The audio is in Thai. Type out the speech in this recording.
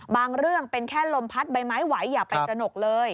เรื่องเป็นแค่ลมพัดใบไม้ไหวอย่าไปตระหนกเลย